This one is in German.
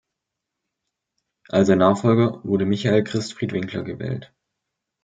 Als sein Nachfolger wurde Michael-Christfried Winkler gewählt.